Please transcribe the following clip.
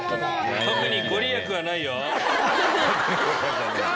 特にご利益はないんだ。